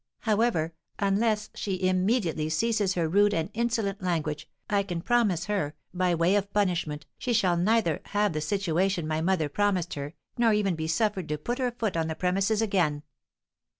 However, unless she immediately ceases her rude and insolent language, I can promise her, by way of punishment, she shall neither have the situation my mother promised her nor ever be suffered to put her foot on the premises again."